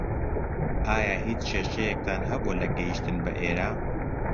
ئایا هیچ کێشەیەکتان هەبووە لە گەیشتن بە ئێرە؟